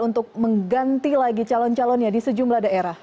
untuk mengganti lagi calon calonnya di sejumlah daerah